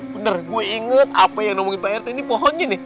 bener gua inget apa yang diomongin pak rt nih pohonnya nih